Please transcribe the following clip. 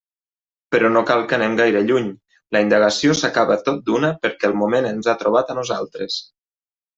Però no cal que anem gaire lluny, la indagació s'acaba tot d'una perquè el moment ens ha trobat a nosaltres.